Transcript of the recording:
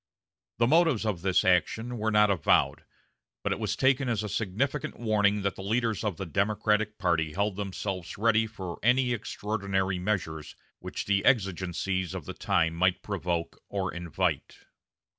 The motives of this action were not avowed, but it was taken as a significant warning that the leaders of the Democratic party held themselves ready for any extraordinary measures which the exigencies of the time might provoke or invite.